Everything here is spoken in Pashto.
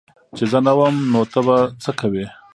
چي زه نه وم نو ته به څه کوي